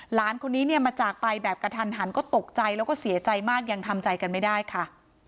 หลานคนนี้เนี่ยมาจากไปแบบกระทันหันก็ตกใจแล้วก็เสียใจมากยังทำใจกันไม่ได้ค่ะ